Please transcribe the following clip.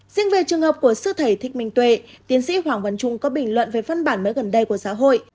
riêng về trường hợp của sư thầy thích minh tuệ tiến sĩ hoàng văn trung có bình luận về văn bản mới gần đây của giáo hội